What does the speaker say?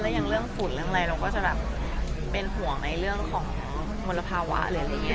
แล้วยังเรื่องฝุ่นเรื่องไรเราก็จะเป็นห่วงในเรื่องของมลภาวะเลย